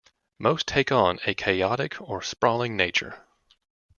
Most take on a chaotic or sprawling nature.